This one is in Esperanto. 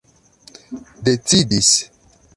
decidis